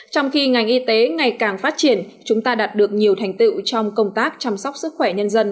trong khi ngành y tế ngày càng phát triển chúng ta đạt được nhiều thành tựu trong công tác chăm sóc sức khỏe nhân dân